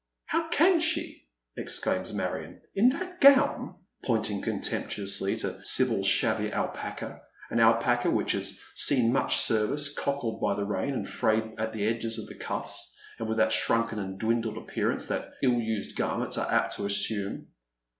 "How can she," exclaims Marion, "in that gown?" pointing contemptuously to Sibyl's shabby alpaca, an alpaca which has Been much service, cockled by the rain, and frayed at the edges of the cuffs, and ^vith that shrunken and dwindled appearance that ill used garments are apt to assume.